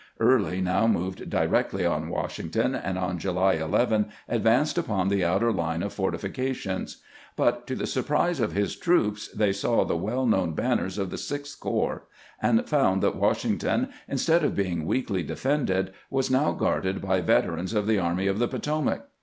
Early now moved directly on "Wash ington, and on July 11 advanced upon the outer line of fortifications; but, to the surprise of his troops, they saw the well known banners of the Sixth Corps, and found that "Washington, instead of being weakly de fended, was now guarded by veterans of the Army of the Potomac.